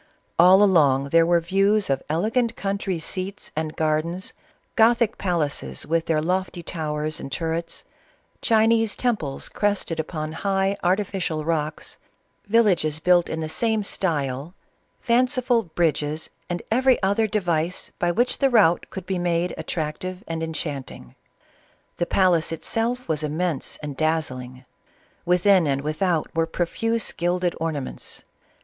All along there were views of elegant country seats and gardens, gothic palaces with their lofty towers and turrets, Chinese temples crested upon high artificial rocks, villages built in the sam^t) lev fanciful bridges, and every other device by which the route could be made attractive and enchanting. The palace itself was immense and dazzling ; within and without were pro fuse gilded ornaments.